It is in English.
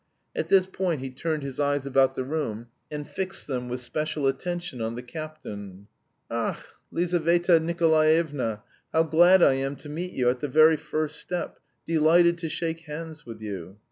At this point he turned his eyes about the room and fixed them with special attention on the captain. "Ach, Lizaveta Nikolaevna, how glad I am to meet you at the very first step, delighted to shake hands with you."